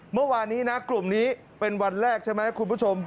เมื่อวานนี้นะกลุ่มนี้เป็นวันแรกใช่ไหมคุณผู้ชม